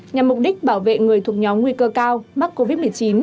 nhằm mục đích bảo vệ người thuộc nhóm nguy cơ cao mắc covid một mươi chín